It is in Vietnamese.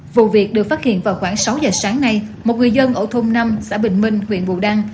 vụ việc được phát hiện vào khoảng sáu giờ sáng nay một người dân ở thôn năm xã bình minh huyện bù đăng